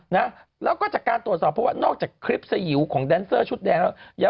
นะแล้วก็จากการตรวจสอบเพราะว่านอกจากคลิปสยิวของแดนเซอร์ชุดแดงแล้ว